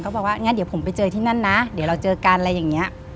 บอกว่างั้นเดี๋ยวผมไปเจอที่นั่นนะเดี๋ยวเราเจอกันอะไรอย่างนี้